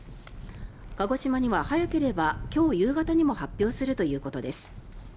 鹿児島には早ければ今日夕方にも発表するということです。